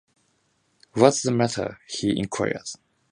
‘What’s the matter?’ he inquired.